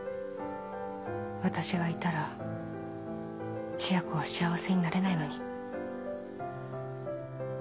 私がいたら千夜子は幸せになれないのに